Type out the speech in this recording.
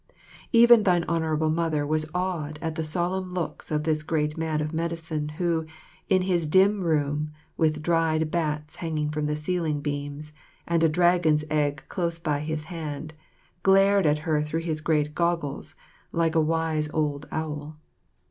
Even thine Honourable Mother was awed at the solemn looks of this great man of medicine who, in his dim room with dried bats hanging from the ceiling beams and a dragon's egg close by his hand, glared at her through his great goggles like a wise old owl.